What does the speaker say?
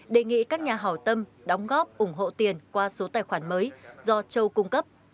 đề nghị các nhà hào tâm đóng góp ủng hộ tiền qua số tài khoản mới do châu cung cấp